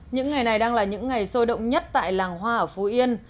những ngày này đang là những ngày sôi động nhất tại làng hoa ở phú yên